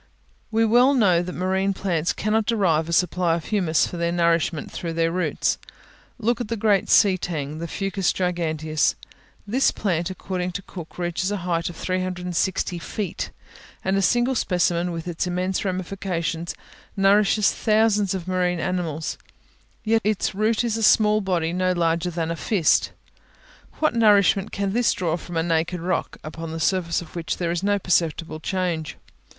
We well know that marine plants cannot derive a supply of humus for their nourishment through their roots. Look at the great sea tang, the Fucus giganteus: this plant, according to Cook, reaches a height of 360 feet, and a single specimen, with its immense ramifications, nourishes thousands of marine animals, yet its root is a small body, no larger than the fist. What nourishment can this draw from a naked rock, upon the surface of which there is no perceptible change?